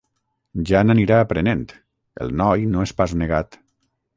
Ja n'anirà aprenent: el noi no és pas negat.